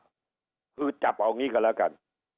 คือจับเอางี้กันแล้วกัน